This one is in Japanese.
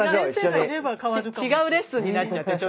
違うレッスンになっちゃった。